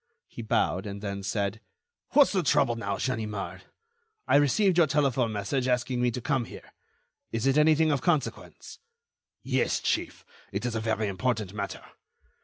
He bowed, and then said: "What's the trouble now, Ganimard? I received your telephone message asking me to come here. Is it anything of consequence?" "Yes, chief, it is a very important matter.